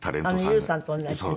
あのＹＯＵさんと同じ。